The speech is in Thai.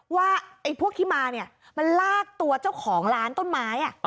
ว่าไอ้พวกที่มาเนี่ยมันลากตัวเจ้าของร้านต้นไม้